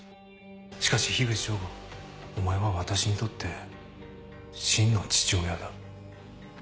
しかし口彰吾お前は私にとって真の父親だ。